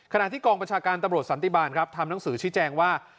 ขณะที่กองปัญชากาลตำรวจสัตย์ศนติบาลทำหนังสือชื่อแจ้งว่า